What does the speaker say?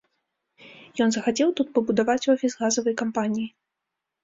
Ён захацеў тут пабудаваць офіс газавай кампаніі.